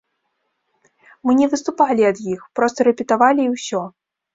Мы не выступалі ад іх, проста рэпетавалі і ўсё.